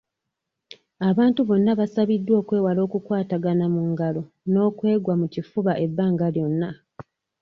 Abantu bonna basabiddwa okwewala okukwatagana mu ngalo n'okweggwa mu kifuba ebbanga lyonna.